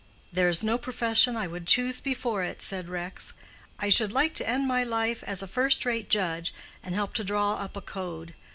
"There is no profession I would choose before it," said Rex. "I should like to end my life as a first rate judge, and help to draw up a code.